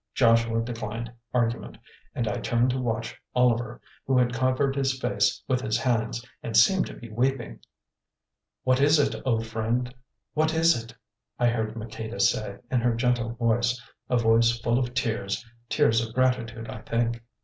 Joshua declined argument, and I turned to watch Oliver, who had covered his face with his hands, and seemed to be weeping. "What is it, O friend, what is it?" I heard Maqueda say in her gentle voice—a voice full of tears, tears of gratitude I think.